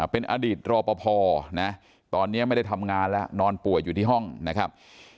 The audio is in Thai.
เป็นอดีตรอปภนะตอนนี้ไม่ได้ทำงานแล้วนอนป่วยอยู่ที่ห้องนะครับ